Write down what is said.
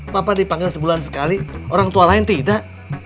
papa dipanggil sebulan sekali orang tua lain tidak